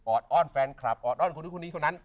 ออดอ้อนแฟนคลับออดอ้อนคุณธุ์คนนี้คนนั้น